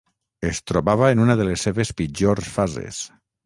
Es trobava en una de les seves pitjors fases